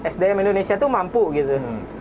sdm indonesia itu mampu gitu